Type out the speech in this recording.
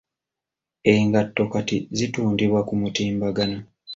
Engato kati zitundibwa ku mutimbagano.